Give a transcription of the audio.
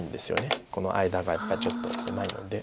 この間がやっぱりちょっと狭いので。